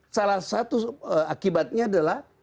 salah satu akibatnya adalah